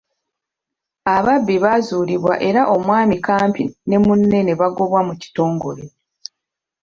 Ababbi baazuulibwa era omwami Kampi ne munne ne bagobwa mu kitongole.